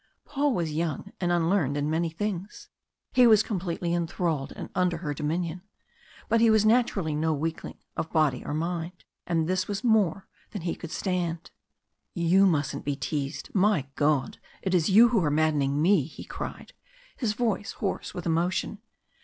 Paul was young and unlearned in many things. He was completely enthralled and under her dominion but he was naturally no weakling of body or mind. And this was more than he could stand. "You mustn't be teased. My God! it is you who are maddening me!" he cried, his voice hoarse with emotion.